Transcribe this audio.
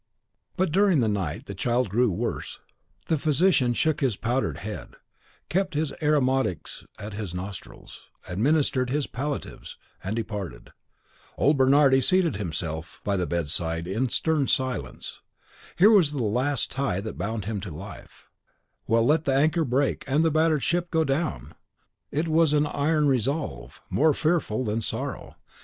But during the night the child grew worse, the physician (the leechcraft has never been very skilful at Naples) shook his powdered head, kept his aromatics at his nostrils, administered his palliatives, and departed. Old Bernardi seated himself by the bedside in stern silence; here was the last tie that bound him to life. Well, let the anchor break and the battered ship go down! It was an iron resolve, more fearful than sorrow.